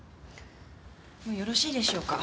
もうよろしいでしょうか。